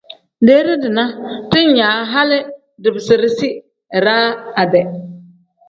Deere dina diinyaa hali dibirisi iraa ade.